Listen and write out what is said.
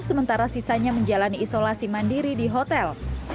sementara sisanya menjalani isolasi mandiri di hotel